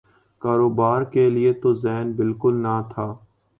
کاروبار کیلئے تو ذہن بالکل نہ تھا۔